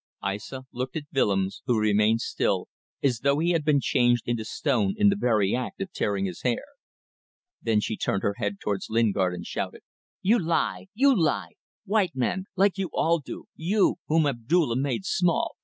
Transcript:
Aissa looked at Willems, who remained still, as though he had been changed into stone in the very act of tearing his hair. Then she turned her head towards Lingard and shouted "You lie! You lie! ... White man. Like you all do. You ... whom Abdulla made small.